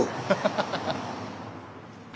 ハハハハハ！